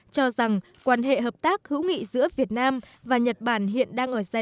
cho rằng quan hệ hợp tác hữu nghị giữa việt nam và nhật bản hiện đang ở giải